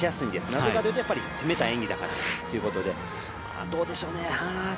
なぜかというと、攻めた演技だからということでどうでしょうね。